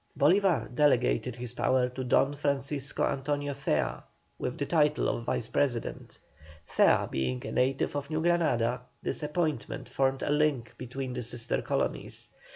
Bolívar delegated his power to Don Francisco Antonio Zea, with the title of Vice President. Zea being a native of New Granada, this appointment formed a link between the sister colonies.